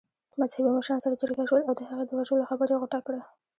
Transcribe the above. مذهبي مشران سره جرګه شول او د هغې د وژلو خبره يې غوټه کړه.